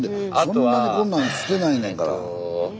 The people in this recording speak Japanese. そんなにこんなんしてないねんから。